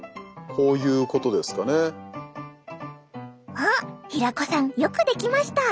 おっ平子さんよくできました！